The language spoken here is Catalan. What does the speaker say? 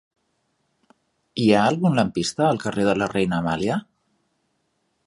Hi ha algun lampista al carrer de la Reina Amàlia?